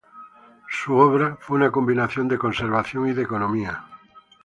Su obra fue una combinación de conservación y de economía.